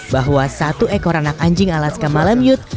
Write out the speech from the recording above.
bahwa satu ekor anak anjing alaska malamute